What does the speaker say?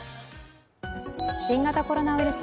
新型コロナウイルス